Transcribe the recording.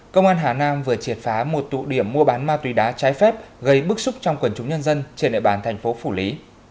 công an hà nam vừa triệt phá một tụ điểm mua bán ma túy đá trái phép gây bức xúc trong quần chúng nhân dân trên địa bàn thành phố phủ lý